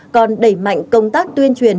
còn đẩy mạnh công tác tuyên truyền